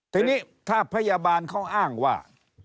ทีนี้ถ้าพยาบาลเขาอ้างว่า